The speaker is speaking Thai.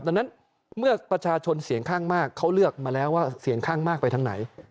ดังนั้นเมื่อประชาชนเสียงข้างมากเขาเลือกมาแล้วว่าเสียงข้างมากไปทางไหน